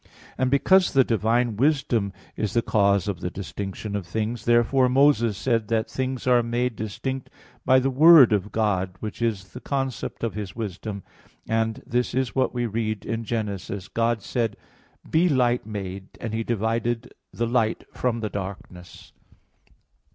And because the divine wisdom is the cause of the distinction of things, therefore Moses said that things are made distinct by the word of God, which is the concept of His wisdom; and this is what we read in Gen. 1:3, 4: "God said: Be light made ... And He divided the light from the darkness."